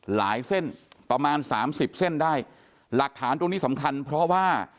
เส้นประมาณสามสิบเส้นได้หลักฐานตรงนี้สำคัญเพราะว่า